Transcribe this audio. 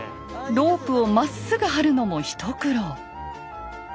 ロープをまっすぐ張るのも一苦労。